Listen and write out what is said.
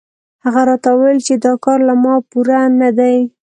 هغه راته وویل چې دا کار له ما پوره نه دی.